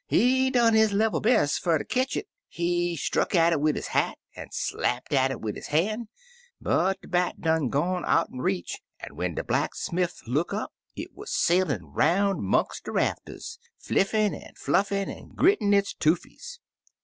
He done his level best fer ter ketch it; he struck at it wid his hat, an' slapped at it wid his han', but de bat done gone out'n reach, an' when de blacksmiff look up, it wuz sailin' 'roun' 'mongst de rafters, fliffin' an'^flufflin', an' grittin' its toofies.